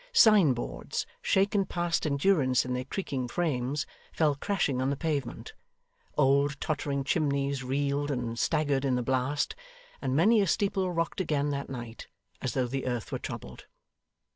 Signboards, shaken past endurance in their creaking frames, fell crashing on the pavement; old tottering chimneys reeled and staggered in the blast; and many a steeple rocked again that night, as though the earth were troubled.